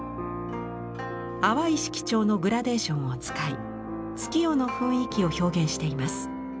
淡い色調のグラデーションを使い月夜の雰囲気を表現しています。